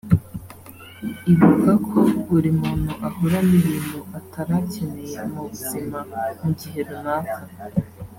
Ibuka ko buri muntu ahura n’ibintu atari akeneye mu buzima mu gihe runaka